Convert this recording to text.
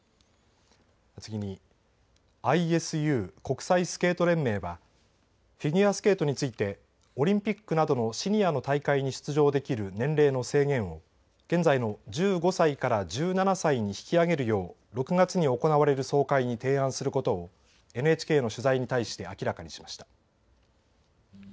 次にＩＳＵ＝国際スケート連盟はフィギュアスケートについてオリンピックなどのシニアの大会に出場できる年齢の制限を現在の１５歳から１７歳に引き上げるよう６月に行われる総会に提案することをＮＨＫの取材に対して明らかにしました。